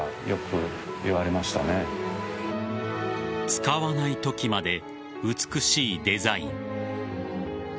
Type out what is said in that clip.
使わないときまで美しいデザイン。